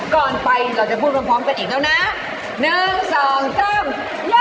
ก่อนไปเราจะพูดพร้อมกันอีกแล้วนะ